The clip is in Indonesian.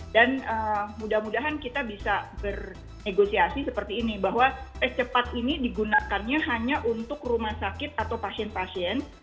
dan mudah mudahan kita bisa bernegosiasi seperti ini bahwa tes cepat ini digunakannya hanya untuk rumah sakit atau pasien pasien